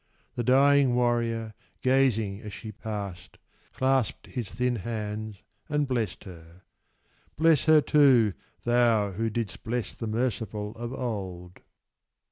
The dying warrior, gazing as she passed, Clasped his thin hands and blessed her. Bless her too, Thou, who didst bless the merciful of old!